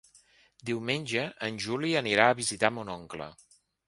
Diumenge en Juli anirà a visitar mon oncle.